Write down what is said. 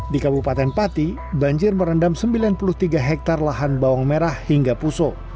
di kabupaten pati banjir merendam sembilan puluh tiga hektare lahan bawang merah hingga puso